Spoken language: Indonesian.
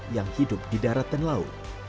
yang hidup di darat dan laut